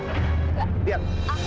aku gak mau lihat